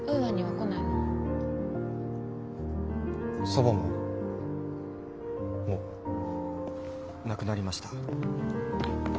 祖母ももう亡くなりました。